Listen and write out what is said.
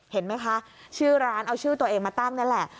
เห็นไหมคะชื่อร้านเอาชื่อตัวเองมาตั้งนั่นแหละ